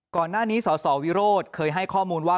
ก่อนหน้านี้สสวิโรธเคยให้ข้อมูลว่า